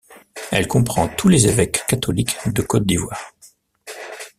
Elle comprend tous les Évêques Catholiques de Côte d’Ivoire.